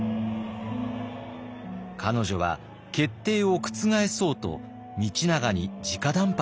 彼女は決定を覆そうと道長にじか談判します。